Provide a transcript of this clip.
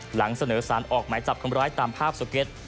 หลังเสนอสารออกหมายจับคนร้ายตามภาพสเก็ต